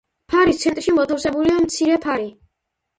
ფარის ცენტრში მოთავსებულია მცირე ფარი.